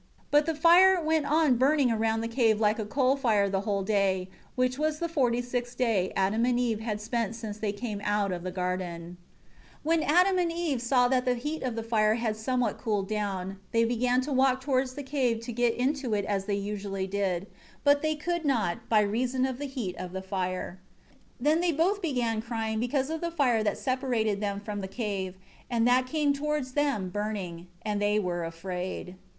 But the fire went on burning around the cave like a coal fire the whole day; which was the forty sixth day Adam and Eve had spent since they came out of the garden. 7 And when Adam and Eve saw that the heat of the fire had somewhat cooled down, they began to walk towards the cave to get into it as they usually did; but they could not, by reason of the heat of the fire. 8 Then they both began crying because of the fire that separated them from the cave, and that came towards them, burning. And they were afraid.